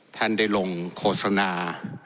ท่านได้ลงโฆษณา